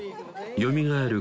よみがえる